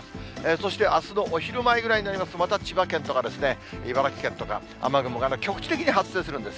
そしてあすのお昼前ぐらいになりますと、また千葉県とかですね、茨城県とか、雨雲が局地的に発生するんです。